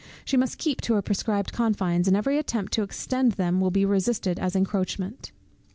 She must keep to her prescribed confines, and every attempt to extend them will be resisted as an encroachment.